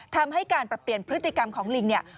ทำให้การปรับเปลี่ยนพฤติกรรมของลิงเนี่ย